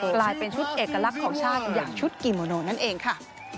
กลายเป็นชุดเอกลักษณ์ของชาติอย่างชุดกิโมโนนั่นเองค่ะ